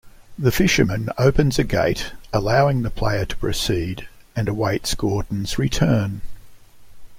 The fisherman opens a gate, allowing the player to proceed, and awaits Gordon's return.